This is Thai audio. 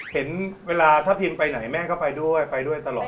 เห็นเวลาถ้าพิมไปไหนแม่ก็ไปด้วยไปด้วยตลอด